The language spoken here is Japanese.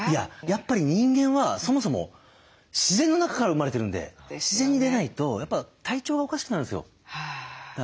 やっぱり人間はそもそも自然の中から生まれてるんで自然に出ないとやっぱ体調がおかしくなるんですよ。